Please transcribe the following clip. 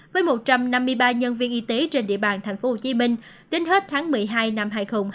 với một trăm năm mươi ba nhân viên y tế trên địa bàn tp hcm đến hết tháng một mươi hai năm hai nghìn hai mươi